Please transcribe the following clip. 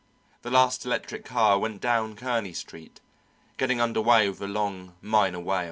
The last electric car went down Kearney Street, getting under way with a long minor wail.